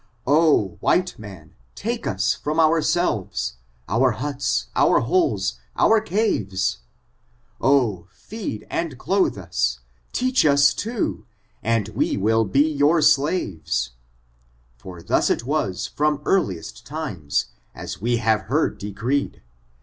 Oh, white man, take as from ourselves, our bnts, our holes, our cavoa 1 Oh, feed and clothe ni, teach ns too, and we will be yoor slaves ! For thus it was from earliest tiuM, ae we have heard decreed.